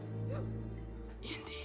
インディ。